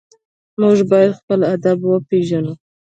موږ باید خپل ادب وپېژنو.